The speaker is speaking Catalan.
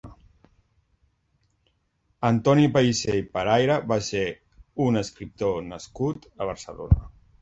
Antoni Pellicer i Paraire va ser un escriptor nascut a Barcelona.